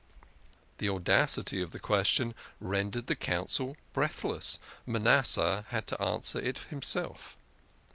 The audacity of the question rendered the Council breathless. Manasseh had to answer it himself.